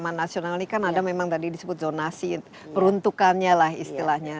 taman nasional ini kan ada memang tadi disebut zonasi peruntukannya lah istilahnya